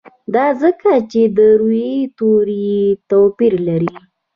دا ځکه چې د روي توري یې توپیر لري.